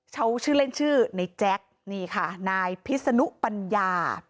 เขาชื่อเล่นชื่อในแจ๊คนี่ค่ะนายพิษนุปัญญา